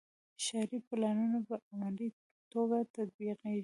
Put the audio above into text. ښاري پلانونه په عملي توګه تطبیقیږي.